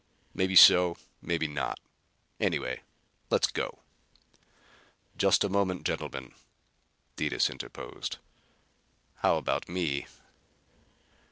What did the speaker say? "Maybe so. Maybe not. Anyway let's go." "Just a moment, gentlemen," Detis interposed. "How about me?"